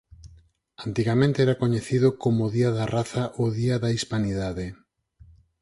Antigamente era coñecido como "Día da Raza" ou "Día da Hispanidade".